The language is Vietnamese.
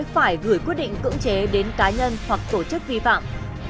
phải gửi quyết định cưỡng chế đến cá nhân hoặc tổ chức vi phạm